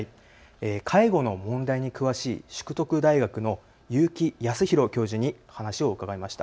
介護の問題に詳しい淑徳大学の結城康博教授に話を伺いました。